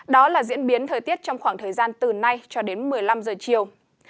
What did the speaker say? đó là diễn biến thời tiết trong khoảng thời gian từ nay cho đến một mươi năm giờ chiều